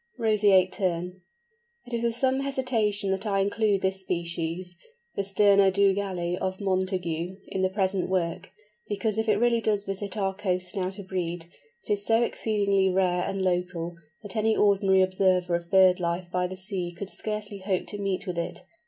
ROSEATE TERN. It is with some hesitation that I include this species, the Sterna dougalli of Montagu, in the present work, because if it really does visit our coasts now to breed, it is so exceedingly rare and local, that any ordinary observer of bird life by the sea could scarcely hope to meet with it.